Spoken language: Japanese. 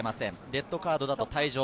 レッドカードだと退場。